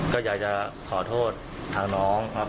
ก็อยากจะขอโทษทางน้องครับ